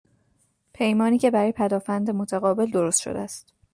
پیمانی که برای پدآفند متقابل درست شده است